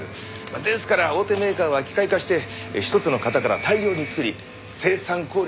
ですから大手メーカーは機械化して一つの型から大量に作り生産効率を上げる。